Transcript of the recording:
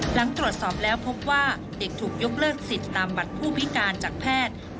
หลังตรวจสอบแล้วพบว่าเด็กถูกยกเลิกสิทธิ์ตามบัตรผู้พิการจากแพทย์